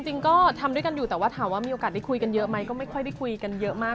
จริงก็ทำด้วยกันอยู่แต่ว่าถามว่ามีโอกาสได้คุยกันเยอะไหมก็ไม่ค่อยได้คุยกันเยอะมาก